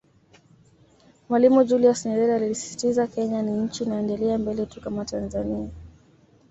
Mwalimu Julius Nyerere alisisitiza Kenya ni nchi inayoendelea mbele tu kama Tanzania